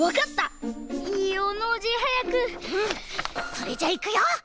それじゃいくよ！